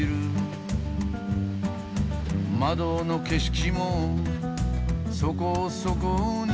「窓の景色もそこそこに」